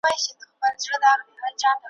په هغه نامه په دار یو ګوندي راسي ,